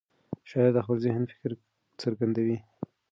شاعر د خپل ذهن فکر څرګندوي.